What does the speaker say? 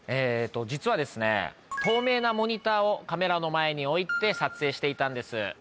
えっと実は透明なモニターをカメラの前に置いて撮影していたんです。